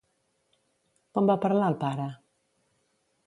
Com va parlar el pare?